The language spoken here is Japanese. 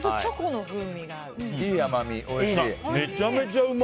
いい甘み、おいしい。